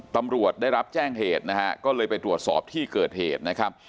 ตำรวจได้รับแจ้งเหตุก็เลยไปตรวจสอบที่เกิดเหตุ